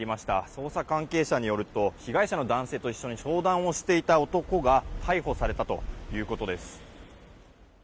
捜査関係者によると被害者の男性と一緒に商談をしていた男が逮捕されたということです。